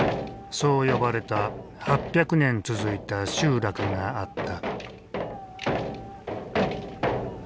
そう呼ばれた８００年続いた集落があった。